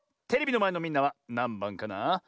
テレビのまえのみんなはなんばんかなあ？